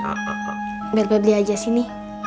sampai ketemu pada video selanjutnya